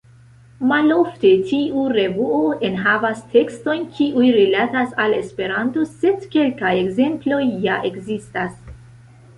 Malofte tiu revuo enhavas tekstojn kiuj rilatas al Esperanto, sed kelkaj ekzemploj ja ekzistas.